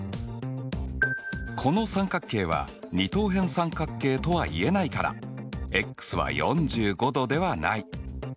この三角形は二等辺三角形とは言えないからｘは４５°ではない。